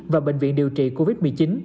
và bệnh viện điều trị covid một mươi chín